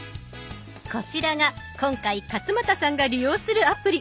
こちらが今回勝俣さんが利用するアプリ。